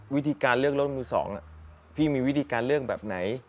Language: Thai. วิธีการเลือกรถมือ๒พี่มีวิธีการเลือกแบบไหน